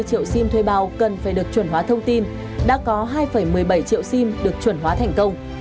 một sáu mươi bảy triệu xim thuê bao cần phải được chuẩn hóa thông tin đã có hai một mươi bảy triệu xim được chuẩn hóa thành công